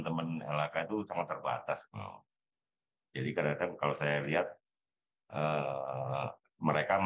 tapi dalam anggaran yang akan ditisaskan dan di isekan